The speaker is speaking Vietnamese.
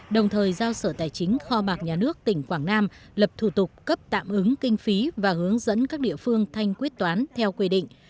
đồng thời giao sở tài chính kho mạc nhà nước tỉnh quảng nam lập thủ tục cấp tạm ứng kinh phí và hướng dẫn các địa phương thanh quyết toán theo quy định